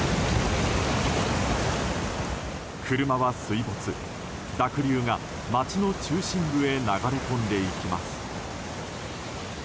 車は水没、濁流が街の中心部へ流れ込んでいきます。